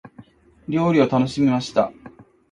料理を楽しみました。